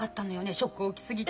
ショック大きすぎて。